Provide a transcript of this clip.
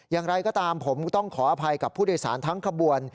อย่างไรก็ตามผมก็ต้องขออภัยกับผู้โดยสารทั้งขบวน